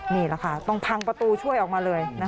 นี่แหละค่ะต้องพังประตูช่วยออกมาเลย